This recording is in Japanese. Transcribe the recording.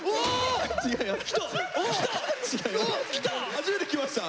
初めて聞きました。